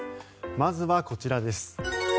まずはこちらです。